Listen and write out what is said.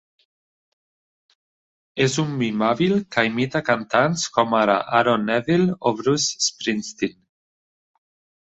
És un mim hàbil que imita cantants com ara Aaron Neville o Bruce Springsteen.